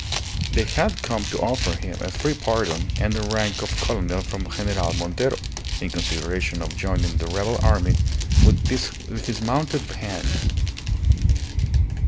They had come to offer him a free pardon and the rank of colonel from General Montero in consideration of joining the rebel army with his mounted band.